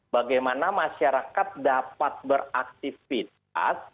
bagaimana masyarakat dapat beraktifitas